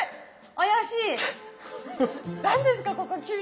怪しい。